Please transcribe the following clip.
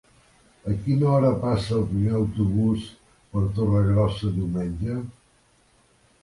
A quina hora passa el primer autobús per Torregrossa diumenge?